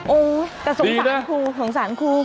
โอ้แต่สงสารครู